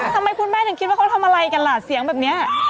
ทำไมคุณแม่ถึงคิดว่าเขาทำอะไรกันล่ะเสียงแบบนี้